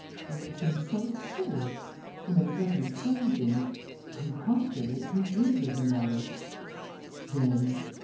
Only it seems so absurd.... And then it doesn't explain things.... On the contrary, it confuses them rather...." "Then